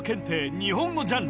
日本語ジャンル